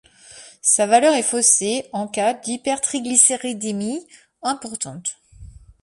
Sa valeur est faussée en cas d'hypertriglycéridémie importante.